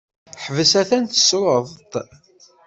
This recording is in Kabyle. Ḥbes! Atan tessruḍ-t!